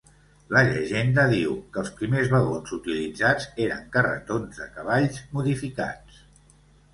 La llegenda diu que els primers vagons utilitzats eren carretons de cavalls modificats.